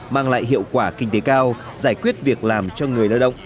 mang lại hiệu quả kinh tế cao giải quyết việc làm cho người lao động